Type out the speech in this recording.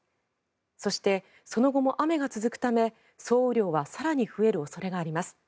そして、その後も雨が続くため総雨量は更に増える恐れがあります。